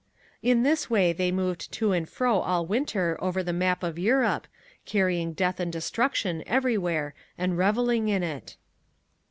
In this way they moved to and fro all winter over the map of Europe, carrying death and destruction everywhere and revelling in it.